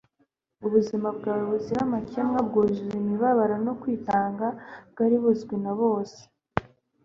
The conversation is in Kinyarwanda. Ubuzima bwe buzira amakemwa bwuzuye imibabaro no kwitanga bwari buzwi na bose.